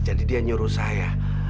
jadi dia nyuruh saya